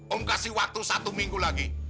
om kasih waktu satu minggu lagi